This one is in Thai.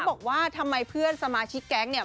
บอกว่าทำไมเพื่อนสมาชิกแก๊งเนี่ย